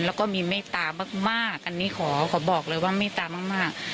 แล้วก็มีเมตตามากอันนี้ขอบอกเลยว่าเมตตามาก